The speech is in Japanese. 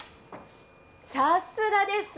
さすがです。